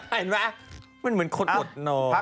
เห็นไหมมันเหมือนคนอดน้อง